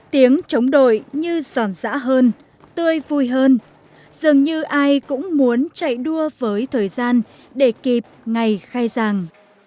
tiếng chống đội như giòn dã hơn tươi vui hơn dường như ai cũng muốn chạy đua với thời gian để kịp ngày khai giảng